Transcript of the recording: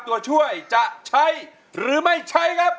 ตัวช่วยจะใช้หรือไม่ใช้ครับ